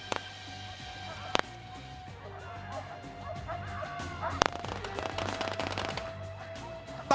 sementara di hadapan kita